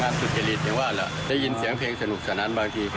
มากสุดเจรียดอย่างว่าแหละได้ยินเสียงเพลงสนุกสนานบางที